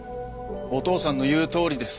お義父さんの言うとおりです。